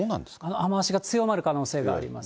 雨足が強まる可能性があります。